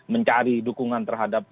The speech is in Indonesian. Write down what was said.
mencari dukungan terhadap